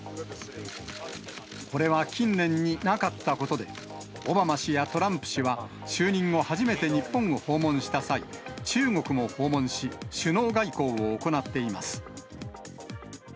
これは近年になかったことで、オバマ氏やトランプ氏は就任後初めて日本を訪問した際、中国も訪問し、首脳外交を行っています。